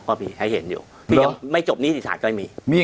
พี่ยังไม่จบหนี้สัตว์ก็ไม่มี